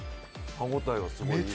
歯応えがすごい。